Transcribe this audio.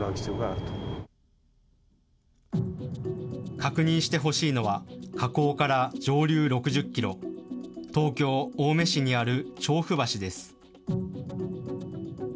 確認してほしいのは河口から上流６０キロ、東京・青梅市にある調布橋です。